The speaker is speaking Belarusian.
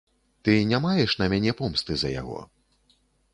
Ты не маеш на мяне помсты за яго?